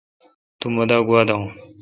تو مہ دا گوا داون۔